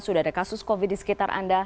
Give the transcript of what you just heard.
sudah ada kasus covid di sekitar anda